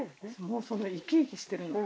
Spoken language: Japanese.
もうそれ生き生きしてるの。